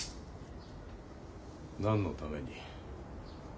何のために？